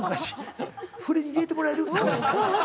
振りに入れてもらえる？